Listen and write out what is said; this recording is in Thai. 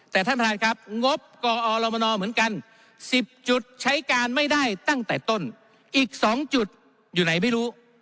แต่ท่านพนัทค่ะงบก็อรบร์รมนอนเช่นเดียวกัน๑๐จุดใช้การไม่ได้ตั้งแต่ต้นอีก๒จุดอยู่ไหนไม่รู้